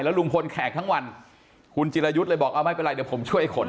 ลุงพลแขกทั้งวันคุณจิรายุทธ์เลยบอกเอาไม่เป็นไรเดี๋ยวผมช่วยขน